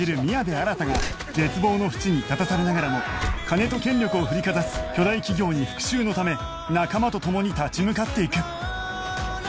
新が絶望の淵に立たされながらも金と権力を振りかざす巨大企業に復讐のため仲間と共に立ち向かっていく